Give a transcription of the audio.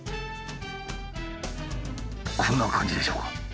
こんな感じでしょうか？